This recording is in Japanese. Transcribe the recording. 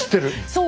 そう。